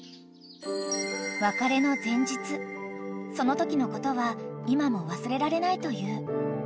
［別れの前日そのときのことは今も忘れられないという］